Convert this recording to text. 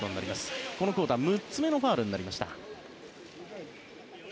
このクオーター６つ目のファウルでした。